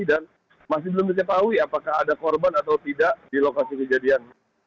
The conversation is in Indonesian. dan masih belum diketahui apakah ada korban atau tidak di lokasi kejadian